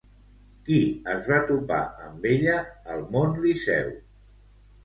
Qui es va topar amb ella al mont Liceu?